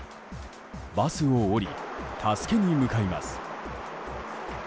バスを降り、助けに向かいます。